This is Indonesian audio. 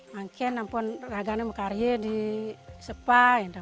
makin raga mekarie di sepa